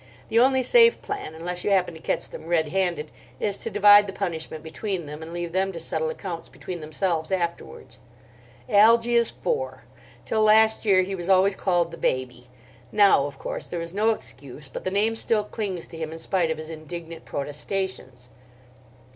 The only safe plan, unless you happen to catch them red handed, is to divide the punishment between them, and leave them to settle accounts between themselves afterwards. Algy is four; till last year he was always called the baby. Now, of course, there is no excuse; but the name still clings to him in spite of his indignant protestations.